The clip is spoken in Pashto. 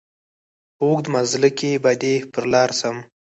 په اوږد مزله کي به دي پر لار سم